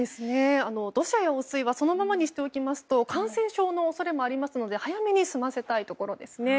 土砂や汚水はそのままにしておきますと感染症の恐れもありますので早めに済ませたいところですね